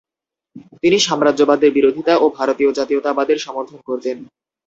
তিনি সাম্রাজ্যবাদের বিরোধিতা ও ভারতীয় জাতীয়তাবাদীদের সমর্থন করতেন।